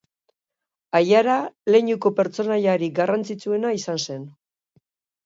Aiara leinuko pertsonaiarik garrantzitsuena izan zen.